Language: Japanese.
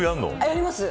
やります。